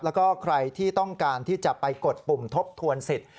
แล้วก็ใครที่ต้องการที่จะไปกดปุ่มทบทวนสิทธิ